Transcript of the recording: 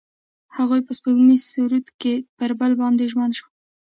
هغوی په سپوږمیز سرود کې پر بل باندې ژمن شول.